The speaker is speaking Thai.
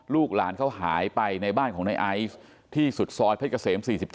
ลูกหลานเขาหายไปในบ้านของในไอซ์ที่สุดซอยเพชรเกษม๔๗